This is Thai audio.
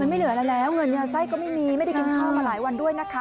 ไม่เหลืออะไรแล้วเงินไส้ก็ไม่มีไม่ได้กินข้าวมาหลายวันด้วยนะคะ